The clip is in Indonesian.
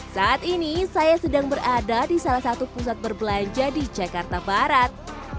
saat ini saya sedang berada di salah satu pusat berbelanja di jakarta barat